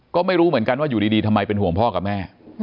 ก็ไม่รู้เหมือนกันว่าอยู่ดีทำไมเป็นห่วงพ่อกับแม่